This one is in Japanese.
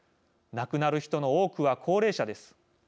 亡くなる人の多くは高齢者です。